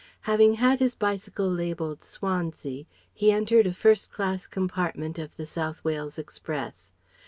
Having had his bicycle labelled "Swansea," he entered a first class compartment of the South Wales express.